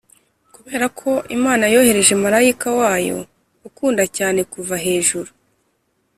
kuberako imana yohereje marayika wayo ukunda cyane kuva hejuru.